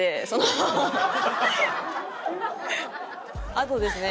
あとですね